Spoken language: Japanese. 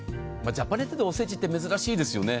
ジャパネットでおせちって珍しいですよね。